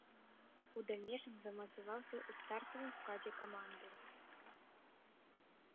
У далейшым замацаваўся ў стартавым складзе каманды.